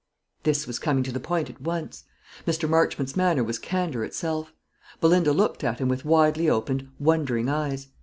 This was coming to the point at once. Mr. Marchmont's manner was candour itself. Belinda looked at him with widely opened, wondering eyes.